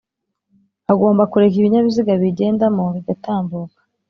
agomba kureka ibinyabiziga biyigendamo bigatambuka